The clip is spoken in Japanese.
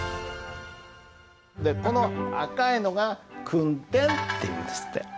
でこの赤いのが「訓点」っていうんですって。